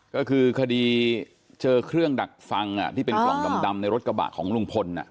ก็คือคดีเจอเครื่องดักฟังที่เป็นกล่องดำในรถกระบะของลุงพล